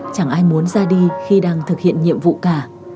chẳng ai muốn ra đi khi đang thực hiện nhiệm vụ cả